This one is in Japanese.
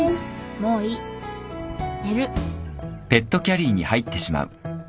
もういい寝る。